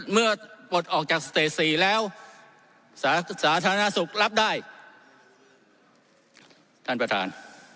ปลดออกจากสเตจ๔แล้วสาธารณสุขรับได้ท่านประธาน